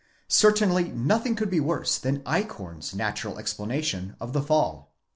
Certainly nothing could be worse than Eichhorn's natural explanation of the fall.